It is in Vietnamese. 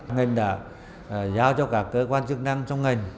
nên là giao cho các cơ quan chức năng trong ngành